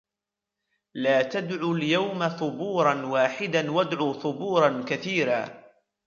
لَا تَدْعُوا الْيَوْمَ ثُبُورًا وَاحِدًا وَادْعُوا ثُبُورًا كَثِيرًا